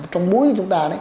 trong mũi của chúng ta